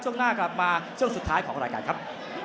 ช่วงหน้ากลับมาช่วงสุดท้ายของรายการครับ